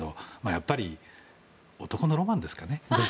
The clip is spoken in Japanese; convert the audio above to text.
やっぱり男のロマンですかね。